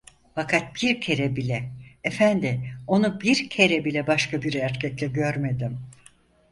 Fakat bir kere bile, efendi, onu bir kere bile başka bir erkekle görmedim.